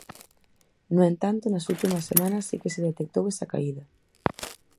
No entanto, nas últimas semanas si que se detectou esa caída.